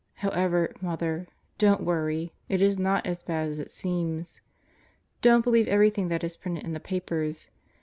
However, Mother, don't worry; it is not as bad as it seems. Don't believe everything that is printed in the papers.